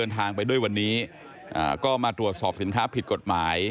ตัวต่อหสอบสินค้าผิดกฎหมาย